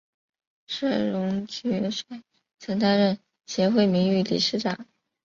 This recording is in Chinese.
聂荣臻元帅曾担任协会名誉理事长。